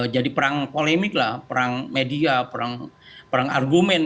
jadi perang polimik lah perang media perang argumen